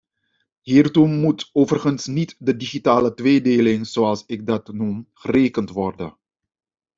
Hiertoe moet overigens niet de digitale tweedeling, zoals ik dat noem, gerekend worden.